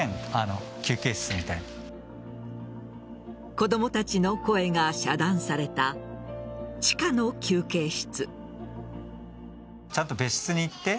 子供たちの声が遮断された地下の休憩室。